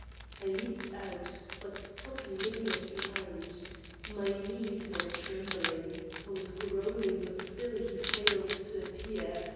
I leaped out, but Toppi lingered behind. My knees were trembling. I was groaning but still he failed to appear.